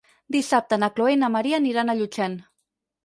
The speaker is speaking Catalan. Dissabte na Chloé i na Maria aniran a Llutxent.